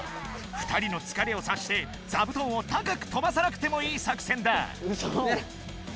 ２人のつかれをさっして座布団を高く飛ばさなくてもいい作戦だ。